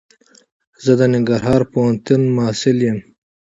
زه دننګرهار پوهنتون محصل یم.